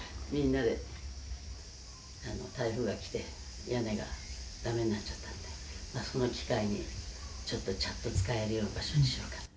「台風が来て屋根が駄目になっちゃったのでその機会にちょっとちゃんと使えるような場所にしようかと」